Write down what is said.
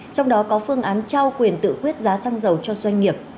trong đó có phương án trao quyền tự quyết giá xăng dầu cho doanh nghiệp